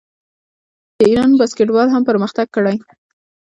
د ایران باسکیټبال هم پرمختګ کړی.